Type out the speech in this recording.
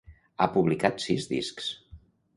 Ha publicat sis discs.